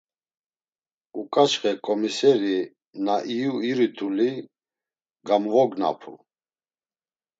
Uǩaçxe ǩomiseri, na iyu irituli gamvognapu.